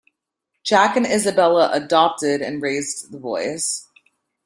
Jack and Isabella "adopted" and raised the boys.